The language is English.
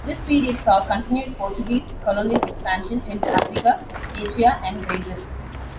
This period saw continued Portuguese colonial expansion in Africa, Asia and Brazil.